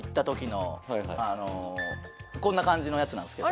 こんな感じのやつなんですけど。